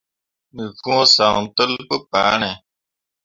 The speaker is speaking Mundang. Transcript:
Me võo zan tel pu pããre.